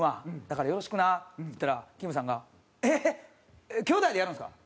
だからよろしくな」って言ったらきむさんが「えっ？兄弟でやるんですか？」